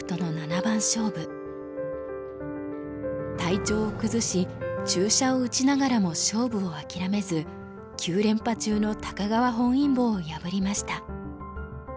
体調を崩し注射を打ちながらも勝負をあきらめず９連覇中の高川本因坊を破りました。